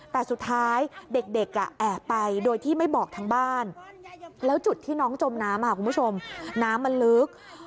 แต่สุดท้ายเด็กแอบไปโดยที่ไม่บอกทางบ้านแล้วจุดที่น้องจมน้ำคุณผู้ชมน้ำมันลึก